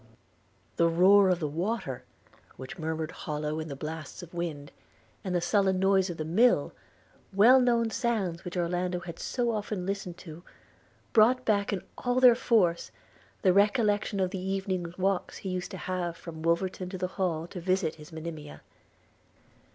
The roar of the water, which murmured hollow in the blasts of wind, and the sullen noise of the mill, well known sounds which Orlando had so often listened to, brought back, in all their force, the recollection of the evening walks he used to have from Wolverton to the Hall to visit his Monimia.